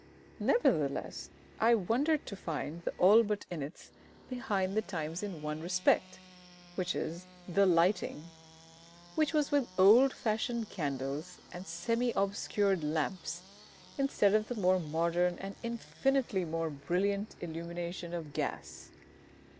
Nevertheless, I wondered to find the ALLBUTT INNETTS behind the times in one respect, viz., the lighting, which was with old fashioned candles and semi obscured lamps, instead of the more modern and infinitely more brilliant illumination of gas!